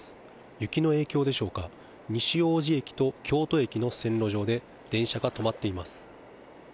雪の影響でしょうか、西大路駅と京都駅の線路上で、電車が止まっています。